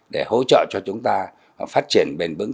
để hỗ trợ cho chúng ta phát triển bền vững